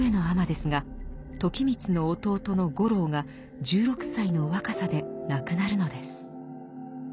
尼ですが時光の弟の五郎が１６歳の若さで亡くなるのです。